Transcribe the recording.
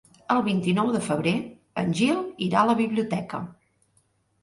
El vint-i-nou de febrer en Gil irà a la biblioteca.